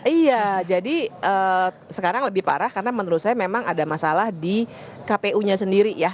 iya jadi sekarang lebih parah karena menurut saya memang ada masalah di kpu nya sendiri ya